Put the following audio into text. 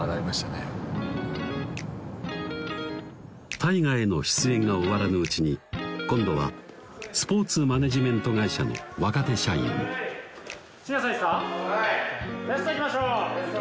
「大河」への出演が終わらぬうちに今度はスポーツマネジメント会社の若手社員いいですか？